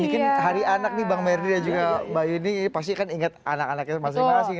bikin hari anak nih bang merdina juga mbak yudi ini pasti kan inget anak anaknya masing masing